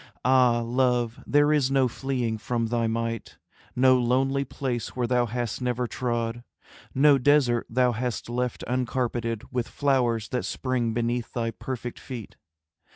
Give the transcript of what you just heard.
Ah, Love, there is no fleeing from thy might, No lonely place where thou hast never trod, No desert thou hast left uncarpeted With flowers that spring beneath thy perfect feet.